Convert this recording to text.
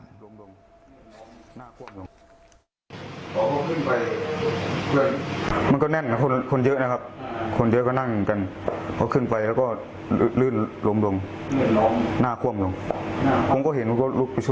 แล้วผมว่าแบบจูบขึ้นมาเขาเอามานอนพักนวดให้แก